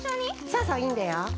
そうそういいんだよ。